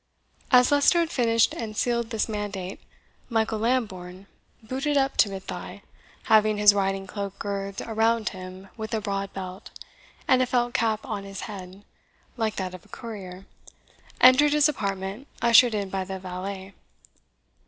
As Leicester had finished and sealed this mandate, Michael Lambourne, booted up to mid thigh, having his riding cloak girthed around him with a broad belt, and a felt cap on his head, like that of a courier, entered his apartment, ushered in by the valet.